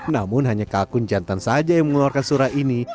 namun hanya kalkun jantan saja yang mengeluarkan surat ini